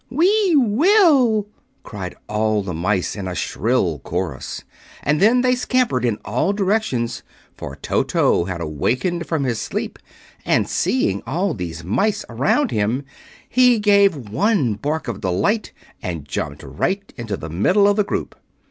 "We will!" cried all the mice, in a shrill chorus. And then they scampered in all directions, for Toto had awakened from his sleep, and seeing all these mice around him he gave one bark of delight and jumped right into the middle of the group.